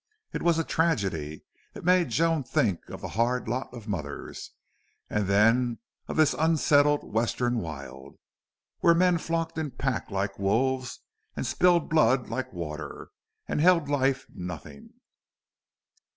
It was a tragedy. It made Joan think of the hard lot of mothers, and then of this unsettled Western wild, where men flocked in packs like wolves, and spilled blood like water, and held life nothing.